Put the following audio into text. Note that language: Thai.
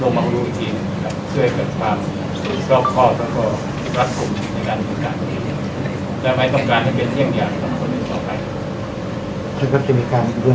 ต่อมาหลวงทีช่วยกับตามส่วนข้อและก็รักษูนย์ในการตอบการ